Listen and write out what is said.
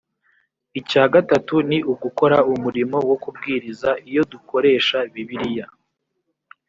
icya gatatu ni ugukora umurimo wo kubwiriza iyo dukoresha bibiliya